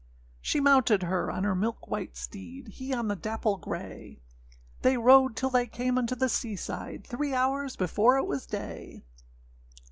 She mounted her on her milk white steed, He on the dapple grey; They rode till they came unto the sea side, Three hours before it was day.